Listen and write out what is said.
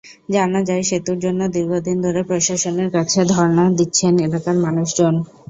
জানা যায়, সেতুর জন্য দীর্ঘদিন ধরে প্রশাসনের কাছে ধরনা দিচ্ছেন এলাকার মানুষজন।